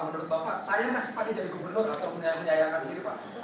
menurut bapak saya masih pagi jadi gubernur atau menyayangkan diri pak